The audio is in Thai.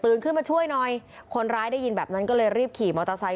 ขึ้นมาช่วยหน่อยคนร้ายได้ยินแบบนั้นก็เลยรีบขี่มอเตอร์ไซค